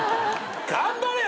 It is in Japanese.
頑張れよ！